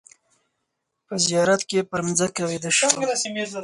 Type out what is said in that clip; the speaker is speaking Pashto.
په زیارت کې پر مځکه ویده شوم.